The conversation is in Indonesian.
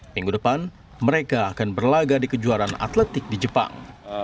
minggu depan mereka akan berlaga di kejuaraan atletik di jepang